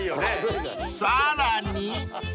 ［さらに］